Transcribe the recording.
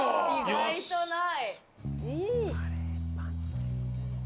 意外とない。